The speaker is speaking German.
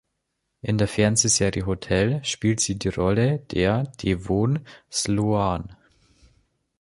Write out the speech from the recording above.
In der Fernsehserie Hotel spielte sie die Rolle der Devon Sloan.